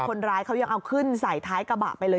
คนร้ายเขายังเอาขึ้นใส่ท้ายกระบะไปเลย